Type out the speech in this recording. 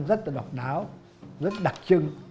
rất là độc đáo rất đặc trưng